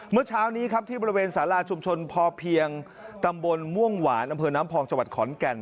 เมื่อเช้านี้ครับที่บริเวณสาราชุมชนพอเพียงตำบลม่วงหวานอำเภอน้ำพองจังหวัดขอนแก่น